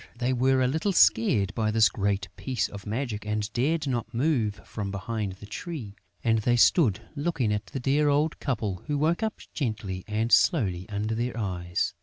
But they were a little scared by this great piece of magic and dared not move from behind the tree; and they stood looking at the dear old couple, who woke up gently and slowly under their eyes.